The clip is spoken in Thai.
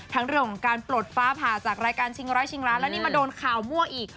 เรื่องของการปลดฟ้าผ่าจากรายการชิงร้อยชิงล้านแล้วนี่มาโดนข่าวมั่วอีก